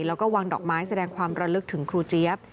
แล้วก็วางดอกไม้แสดงความระลึกถึงครูเจี๊ยบ